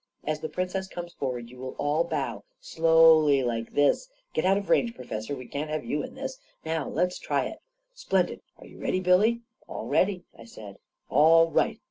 As the Princess comes forward, you will all bow — slowly, like this ! Get out of range, Professor — we can't have you in this! Now let's try it! Splendid! Are you ready, Billy ?"" All ready," I said. " All right